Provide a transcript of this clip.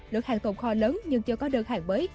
lượng hàng tồn kho lớn nhưng chưa có đơn hàng mới